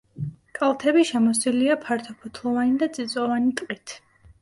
კალთები შემოსილია ფართოფოთლოვანი და წიწვოვანი ტყით.